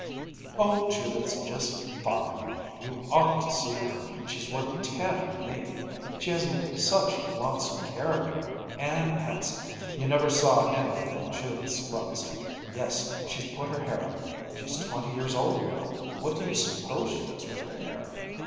"Oh, Judith's just fine! You ought to see her! She's worth ten of me: she has such lots of character! And handsome! You never saw anything like Judith's looks. Yes, she's put her hair up! She's twenty years old now, what do you suppose she does with her hair?